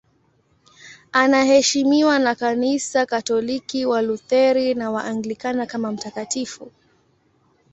Anaheshimiwa na Kanisa Katoliki, Walutheri na Waanglikana kama mtakatifu.